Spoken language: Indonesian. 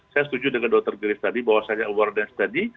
saya setuju dengan dr grace tadi bahwa saya award dan study